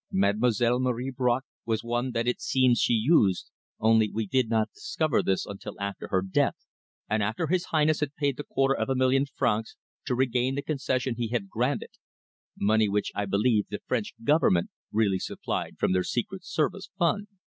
Mademoiselle Marie Bracq was one that it seems she used, only we did not discover this until after her death, and after his Highness had paid the quarter of a million francs to regain the concession he had granted money which, I believe, the French Government really supplied from their secret service fund."